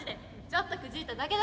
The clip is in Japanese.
ちょっとくじいただけだから。